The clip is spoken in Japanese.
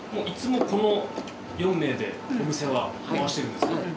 いつもこの４名でお店は回してるんですか。